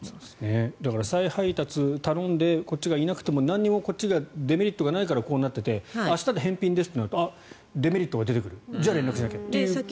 だから再配達頼んでこっちがいなくても何もこっちがデメリットがないからこうなっていて明日で返品ですとなるとデメリットが出るからじゃあ、連絡しなきゃということですよね。